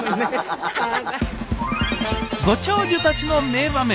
ご長寿たちの名場面。